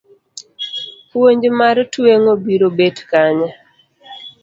Puonj mar tweng'o biro bet kanye?